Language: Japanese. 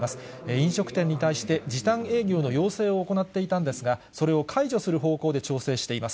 飲食店に対して、時短営業の要請を行っていたんですが、それを解除する方向で調整しています。